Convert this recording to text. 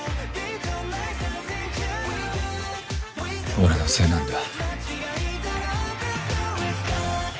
俺のせいなんだ。